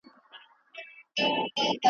ولي بايد له خرافاتو لاس واخلو؟